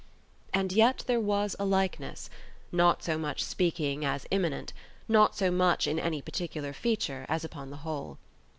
And yet there was a likeness, not so much speaking as immanent, not so much in any particular feature as upon the whole.